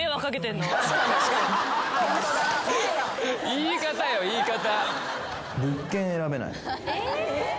言い方よ言い方。